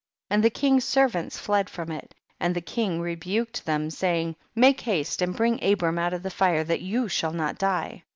30. And the king's servants fled from it, and the king rebuked them, saying, make haste and bring Abram out of the fire that you shall not die.